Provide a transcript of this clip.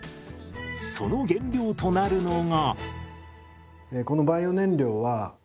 その原料となるのが。